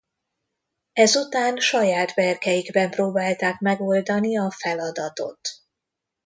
Ezután saját berkeikben próbálták megoldani a feladatot.